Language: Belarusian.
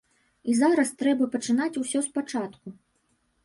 І зараз трэба пачынаць усё з пачатку.